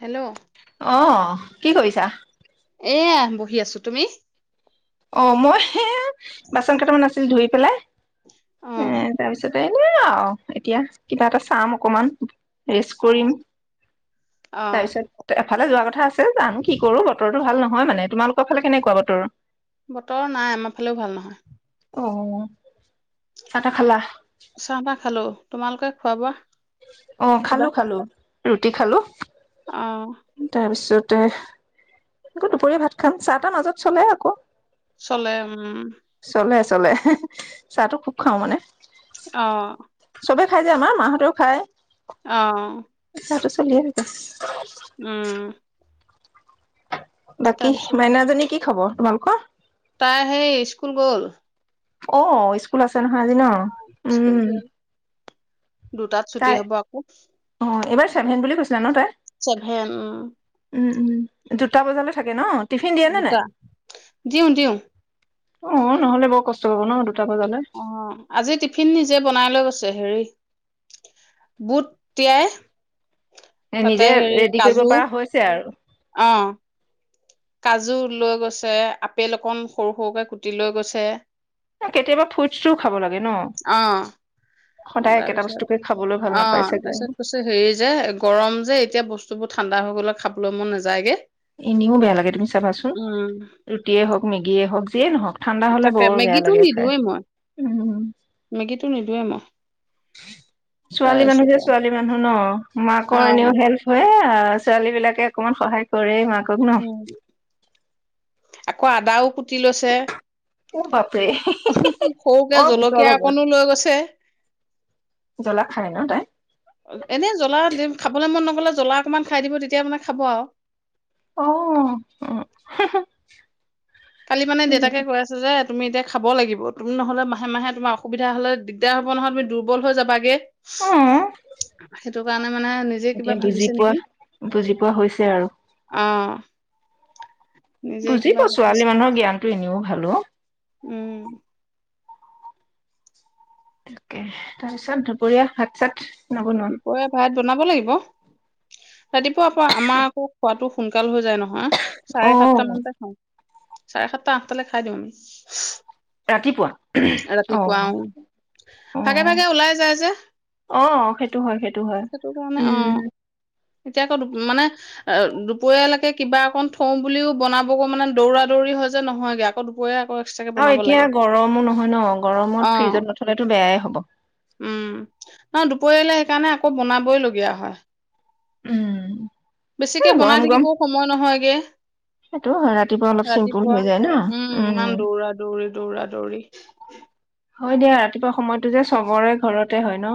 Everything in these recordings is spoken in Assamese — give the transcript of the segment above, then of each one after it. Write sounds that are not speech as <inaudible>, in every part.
হেল্ল'! অ', কি কৰিছা? এয়া বহি আছো তুমি? অ মই সেয়া বাচন কেইটামান আছিল ধুই পেলাই এ অ', তাৰপিছত। নে আৰু এতিয়া কিবা এটা চাম অকমান। ৰেষ্ট কৰিম অ', তাৰপিছত এফালে যোৱা কথা আছে যাম কি কৰো বতৰো ভাল নহয়। হয় মানে তোমালোকৰ ফালে কেনেকুৱা বতৰ? বতৰ নাই আমাৰ ফালেও ভাল নহয়। অ চাহ তাহ খালা? চাহ তাহ খালো, তোমালোকে? হ'ব অ', খালো খালো। ৰুটি খালো। অ তাৰপিছতে আকৌ দুপৰীয়া ভাত খাম চাহ তাহ মাজত চলে আকৌ। চলে, উম। চলে চলে, চাহটো খুব খাওঁ মানে। আহ চবে খাই যে আমাৰ মাহঁতেও খায়। অ'। তাতটো চলি আৰু উম বাকী তাৰপিছত আৰু মাইনাজনী কি খবৰ? তোমালোকৰ? তাই হেই স্কুল গ'ল। অ স্কুল আছে নহয় আজি ন! স্কুল উম গ'ল দুটাত ছুটী হব আকৌ চেভেন বুলি কৈছে জানো তাই চেভেন উম উম দুটা বজালৈ থাকে ন টিফিন দিয়ে নে নাই দুটা দিওঁ দিওঁ অ নহ'লে বৰ কষ্ট পাব ন দুটা বজালৈ অ আজি টিফিন নিজে বনাই লৈ গৈছে হেৰি বুট তিয়াই এ তাতে নিজে হেৰি ৰেডি কৰিব কাজু পৰা হৈছে আৰু অ', কাজু লৈ গৈছে আপেল অকণ সৰু সৰুকে কুটি লৈ গৈছে কেতিয়াবা ফুইড খাব লাগে ন অ সদায় একেটা তাৰপিছত বস্তুকে খাবলৈ ভাল অ নাপাই চাগে তাৰপিছত কৈছে হেৰি যে গৰম যে এতিয়া বস্তু বোৰ ঠাণ্ডা হৈ গ'লে খাবলৈ মন নাযায়গৈ এনেও বেয়া লাগে তুমি চাবাচোন ৰুটিয়ে হওক মেগিয়ে হওক যিয়ে নহওক ঠাণ্ডা হলে তাকে বৰ বেয়া মেগীটো লাগে খাই নিদোৱে মই উম মেগীটো নিদোৱে মই ছোৱালী মানুহ তাৰপিছত যে ছোৱালী মানুহ ন মাকৰ আৰু এনেও অ হেল্প হয় অ ছোৱালী বিলাকে অকমান সহায় কৰে মাক উম আকৌ আদাও কুতি লৈছে অ বাপৰে সৰুকে অ বুটৰ জলকীয়া লগত অকনো লৈ গৈছে জ্বলা খাই ন তাই এনে জ্বলা খাবলৈ মন নগলে জ্বলা অকমান খাই দিব তেতিয়া মানে খাব আৰু আ কালি মানে দেউতাকে কৈ আছে যে তুমি এতিয়া খাব লাগিব তুম নহ'লে মাহে মাহে তোমাৰ অসবিধা হলে দিগদাৰ হ'ব নহয় তুমি দুৰ্বল হৈ যাবাগে সেইটো কাৰণে মানে নিজে কিবা এতিয়া বুজি ভাবিছে পোৱা নেকি বুজি পোৱা হৈছে আৰু অ অ নিজে কিবা বুজিব ভাবিছে ছোৱালী মানুহৰ জ্ঞানতটো এনেও হেল্ল' উম তাকে তাৰপিছত দুপৰীয়া সাত চাত নবনোৱা দুপৰীয়া ভাত বনাব লাগিব ৰাতিপুৱা আকৌ আমাৰ আকৌ খোৱাাতটো সোনকাল হৈ যায় নহয় অ চাৰে সাতটা মানতে খাওঁ চাৰে সাতটা আঠটালৈ খাই দিওঁ আমি ৰাতিপুৱা অ ৰাতিপুৱাও অ ভাগে ভাগে ওলাই যায় যে অ সেইটো হয় হয় সেইটো কাৰণে অ উম এতিয়া আকৌ মানে অ দুপৰীয়ালৈকে কিবা অকণ থও বুলিও বনাবকো মানে দৌৰা দৌৰি হয় যে নহয়গে আকৌ দুপৰীয়া আকৌ ইচাকে আৰু বনাব এতিয়া লাগে গৰমো নহয় ন অ গৰমত ফ্ৰিজত নথলেতো বেয়াই হ'ব পলে সেইকাৰণে আকৌ বনাবই লগীয়া হয় উম এ বেছিকে বনাই গৰম গৰম থাকিবও সময় নহয়গে সেইটো হয় ৰাতিপুৱা অলপ চিম্পুল ৰাতিপুৱা হৈ যায় না ইমান উম দৌৰা দৌৰি দৌৰা দৌৰি হয় দিয়া ৰাতিপুৱা সময়তো যে চবৰে ঘৰতে হয় ন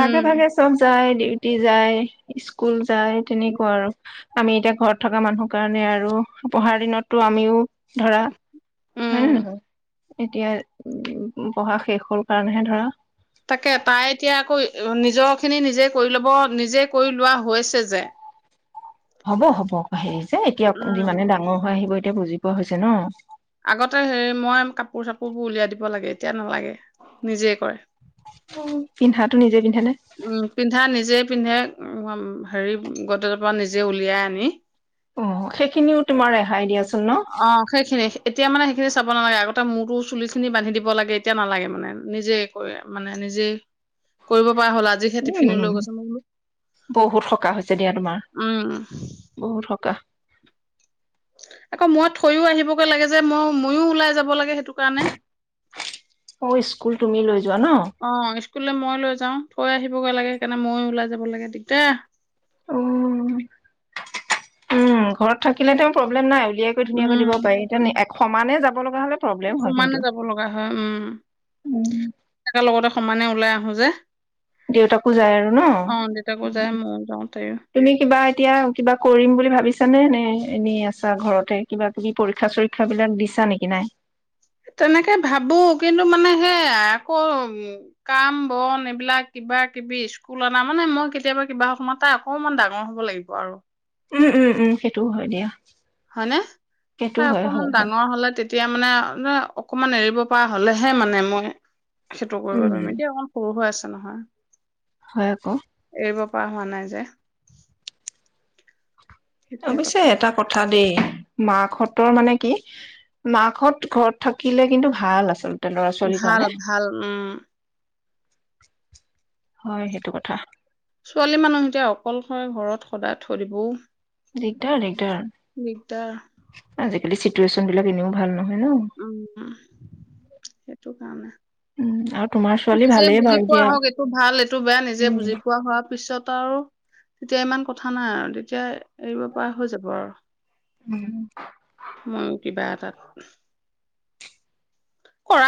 ভাগে ভাগে চব যায় ডিউটি যায় স্কুল যায় তেনেকুৱা আৰু আমি এতিয়া ঘৰত থকা মানুহ কাৰণে আৰু পঢ়াৰ দিনতো আমিও ধৰা হয় উম <inaudible> এতিয়া পঢ়া শেষ হ'ল কাৰণেহে ধৰা তাকে তাই এতিয়া আকৌ নিজৰ খিনি নিজে কৰি ল'ব নিজে কৰি লোৱা হৈছে যে হ'ব হ'ব এ এতিয়া উম যি মানে ডাঙৰ হয় আহিব এ বুজি পোৱা হৈছে ন আগতে হে মই কাপোৰ চাপোৰ বোৰ উলিয়াই দিব লাগে এতিয়া নালাগে নিজে কৰে পিন্ধাটো নিজে পিন্ধ উম পিন্ধা নিজে পিন্ধে উম হেৰি গডৰেজ পৰা নিজে উলিয়াই আনি অ সেইখিনিও তোমাৰ ৰেহাই দিয়াছ অ সেইখিনি এতিয়া মানে সেইখিনি চাব নালাগে আৰু তাৰ মূৰটো চুলি খিনি বান্ধি দিব লাগে এতিয়া নালাগে মানে নিজে কৰে মানে নিজে কৰিব পৰা হ'ল আজিহে উম টিফিনলৈ গৈছে মই বোলো বহুত সকাহ হৈছে দিয়া তোমাৰ উম বহুত সকাহ আকৌ মই থৈও আহিবগৈ লাগে যে মই ময়ো ওলাই যাব লাগে সেইটো কাৰণে অ স্কুল তুমি লৈ যোৱা ন অ স্কুললৈ মই লৈ যাও থৈ আহি থব লাগে সেইকাৰণে ময়ো ওলাই যাব লাগে দিগদা উম উম ঘৰত থাকিলে তেওঁ প্ৰব্লেম নাই দিয়াকৈ ধুনিয়াকৈ দিব উম পাৰি। তাৰ মানি এক সমানে যাব লগা হ'লে প্ৰব্লেম হয় সমানে কিন্তু যাব লগা হয়। উম, একেলগতে সমানে ওলাই আহো যে। দেউতাকো যায় আৰু ন। অ দেউতাকো যায় ময়ো যাওঁ তাইও তুমি কিবা, এতিয়া কিবা কৰিম বুলি ভাবিছানে। নে এনেই আছা ঘৰতে। কিবাকিবি পৰীক্ষা-চৰীক্ষা বিলাক দিছা নেকি নাই। তেনেকে ভাবু। কিন্তু মানে সেই আকৌ উম, কাম-বন এইবিলাক কিবাকিবি স্কুল অনা মানে। মই কেতিয়াবা কিবা সময়ত, তাই অকমান ডাঙৰ হ'ব লাগিব আৰু। উম, উম, উম, সেইটোও হয় দিয়া। হয়নে, সেইটো তাই হয় অকমান হয় হয় ডাঙৰ হ'লে। তেতিয়া মানে অ, ধৰা অক অকমান এৰিব পৰা হ'লেহে মানে ময় সেইটো কৰিব উম পাৰিম। এতিয়া অকণ সৰু হৈ আছ যেন নহয়। হয়, আক। কোৱা হোৱা নাই যে সেইটোৱে অৱশ্যে কথা এটা কথা দ দেই, মাকহতৰ মানে কি। মাকহত ঘৰত থাকিলে কিন্তু ভাল আচল। ভাল-ভাল উম। হয়, সেইটো কথা। ছোৱালী মানুহ এতিয়া অকলশৰে ঘৰত সদায় থৈ দিবও দিগদাৰ-দিগদাৰ। দিগদাৰ আজিকালি চিত চিতুৱেচন বিলাক এনেও ভাল ন। নহয় উমহ্, সেইটোকাৰণে। উম আৰু তোমাৰ ছোৱালী নিজে ভালেই বুজি বাৰু পোৱা দিয়া হওক এইটো ভাল-এইটো বেয়া। নিজে বুজি উম পোৱা হোৱাৰ পিছত তাইৰ আৰু, তেতিয়া ইমান কথা নাই আৰু তেতিয়া এৰিব পৰা হৈ যাব আৰু। উম। মইয়ো কিবা এটাত কৰা